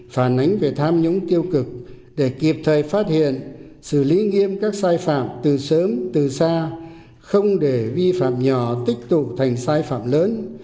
phản ánh về tham nhũng tiêu cực để kịp thời phát hiện xử lý nghiêm các sai phạm từ sớm từ xa không để vi phạm nhỏ tích tụ thành sai phạm lớn